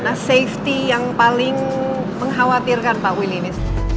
nah safety yang paling mengkhawatirkan pak willy ini